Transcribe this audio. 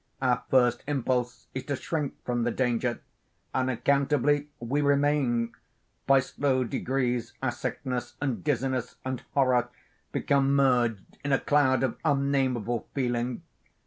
Our first impulse is to shrink from the danger. Unaccountably we remain. By slow degrees our sickness and dizziness and horror become merged in a cloud of unnamable feeling.